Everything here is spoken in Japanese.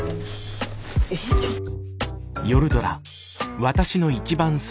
えちょっと。